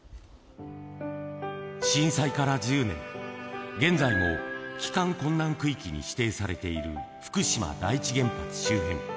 震災から１０年、現在も帰還困難区域に指定されている福島第一原発周辺。